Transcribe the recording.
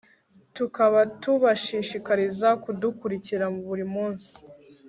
tukaba tubashishikariza kudukurikira buri munsi